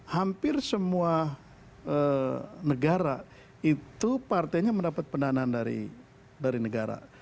hampir semua negara itu partainya mendapat pendanaan dari negara